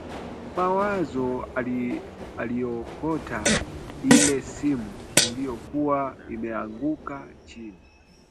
Mawazo aliokota ile simu iliyokuwa imeanguka chini